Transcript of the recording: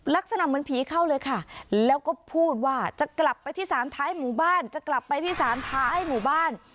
ลักษณะมันผีเข้าเลยค่ะแล้วก็พูดว่าจะกลับไปที่สารท้ายหมู่บ้าน